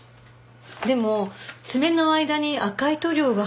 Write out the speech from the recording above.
でも爪の間に赤い塗料が入ってたのよね？